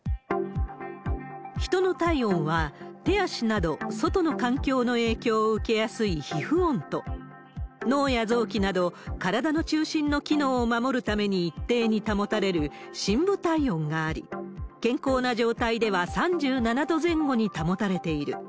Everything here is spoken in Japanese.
人の体温は、手足など外の環境の影響を受けやすい皮膚温と、脳や臓器など、体の中心の機能を守るために一定に保たれる深部体温があり、健康な状態では３７度前後に保たれている。